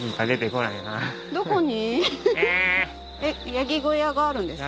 ヤギ小屋があるんですか？